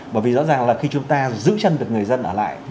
bởi vì rõ ràng là khi chúng ta giữ chân được người dân ở lại